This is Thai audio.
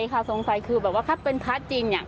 สงสัยค่ะสงสัยคือแบบว่าถ้าเป็นภาคจริง